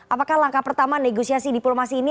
apakah langkah pertama negosiasi diplomasi ini